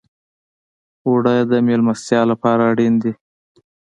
اوړه د میلمستیا لپاره اړین دي